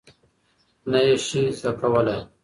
نه یې شې زده کولی؟